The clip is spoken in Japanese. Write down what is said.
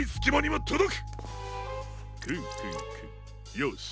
よし。